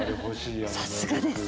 さすがです。